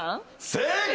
正解！